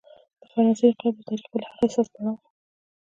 د فرانسې انقلاب د تاریخ بل هغه حساس پړاو و.